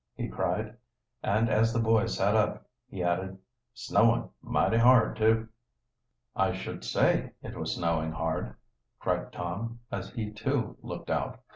he cried, and as the boys sat up, he added: "Snowin' mighty hard, too." "I should say it was snowing hard!" cried Tom, as he, too, looked out.